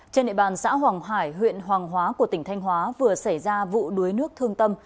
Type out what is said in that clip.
trên địa bàn xã hoàng hải huyện hoàng hóa của tỉnh thanh hóa vừa xảy ra vụ đuối nước thương tâm